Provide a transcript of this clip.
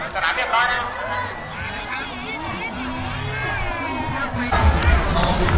สนามเรียบร้อย